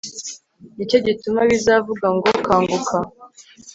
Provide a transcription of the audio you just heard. nicyo gituma bizavuga ngo kanguka